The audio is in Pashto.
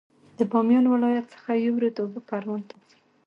د بامیان ولایت څخه یو رود اوبه پروان ته راځي